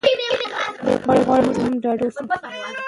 دی غواړي چې موږ هم ډاډه اوسو.